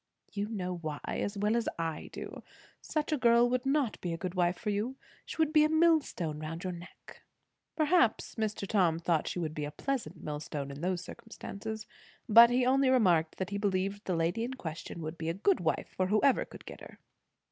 "You know why, as well as I do. Such a girl would not be a good wife for you. She would be a millstone round your neck." Perhaps Mr. Tom thought she would be a pleasant millstone in those circumstances; but he only remarked that he believed the lady in question would be a good wife for whoever could get her.